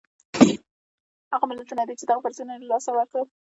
هغه ملتونه دي چې دغه فرصتونه یې له لاسه ورکړل.